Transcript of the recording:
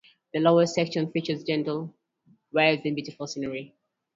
The Lower section features gentle waves and beautiful scenery.